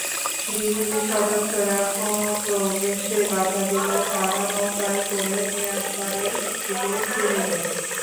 বিজিবির সদস্যরা অনুপ্রবেশে বাধা দিলে তারা নৌকায় করে মিয়ানমারের দিকে ফিরে যায়।